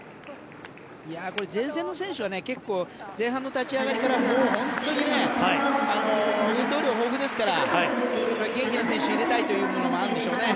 前線の選手は結構、前半の立ち上がりから本当に運動量豊富ですから元気な選手を入れたいということもあるんでしょうね。